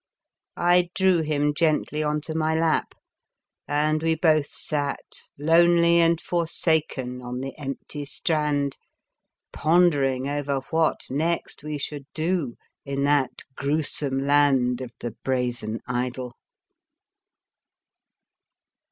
I drew him gently onto my lap, and we both sat lonely and forsaken on the empty strand, ponder ing over what next we should do in that gruesome land of the brazen idol.